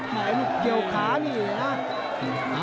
ไอ้ลูกเกี่ยวขานี่นะ